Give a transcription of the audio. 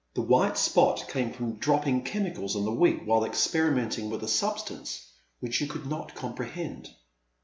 The white spot came from dropping chemicals on the wig while ex perimenting with a substance which you could not comprehend.